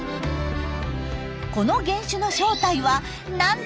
この原種の正体はなんとトマト。